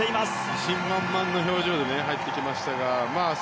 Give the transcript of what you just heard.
自信満々の表情で入ってきましたから。